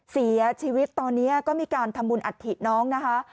เสียชีวิตตอนนี้ก็มีการทำบุญอัฐิน้องนะคะ